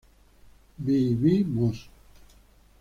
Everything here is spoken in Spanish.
vivimos